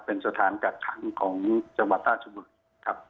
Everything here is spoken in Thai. เป็นสถานกักขังของจังหวัดราชบุรีครับ